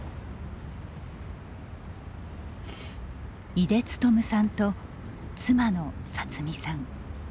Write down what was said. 井出努さんと妻のさつ美さん。